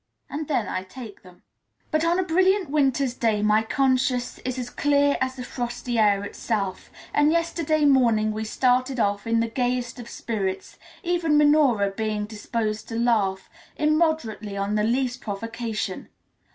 And then I take them. But on a brilliant winter's day my conscience is as clear as the frosty air itself, and yesterday morning we started off in the gayest of spirits, even Minora being disposed to laugh immoderately on the least provocation.